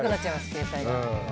携帯が。